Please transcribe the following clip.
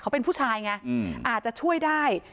เขาเป็นผู้ชายไงอาจจะช่วยได้